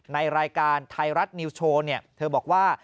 ในรายการไทยรัฐนิวโชว์เธอบอกว่า